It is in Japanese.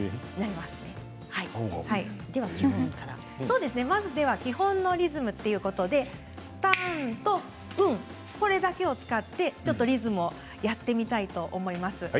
では、まず基本のリズムということでタンとウン、それだけを使ってリズムを作ってみたいと思います。